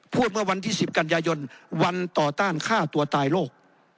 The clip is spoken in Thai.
เมื่อวันที่๑๐กันยายนวันต่อต้านฆ่าตัวตายโลก